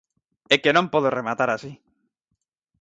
É que non podo rematar así.